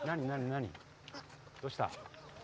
どうした？